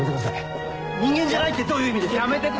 人間じゃないってどういう意味ですか？